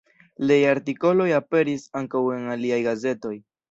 Liaj artikoloj aperis ankaŭ en aliaj gazetoj.